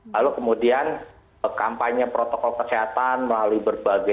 lalu kemudian kampanye protokol kesehatan melalui berbagai